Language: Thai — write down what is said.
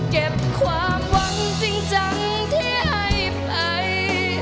เก็บความหวังจริงจังที่ให้ไป